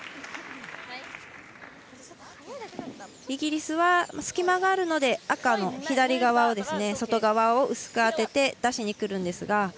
イギリスは隙間があるので赤の左側、外側を薄く当てて出しにくるんですが。